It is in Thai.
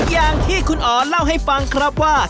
อย่างที่คุณอ๋อเล่าให้ฟังครับว่า